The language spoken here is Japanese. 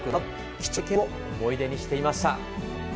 貴重な経験を思い出にしていました。